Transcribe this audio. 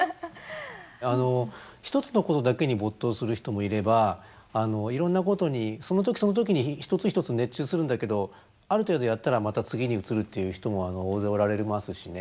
一つのことだけに没頭する人もいればいろんなことにその時その時に一つ一つ熱中するんだけどある程度やったらまた次に移るっていう人も大勢おられますしね。